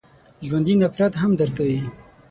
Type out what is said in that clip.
ژوندي نفرت هم درک کوي